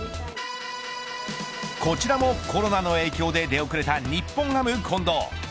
こちらもコロナの影響で出遅れた日本ハム、近藤。